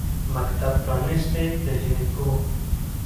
مکتب پرانیستی د جینکیو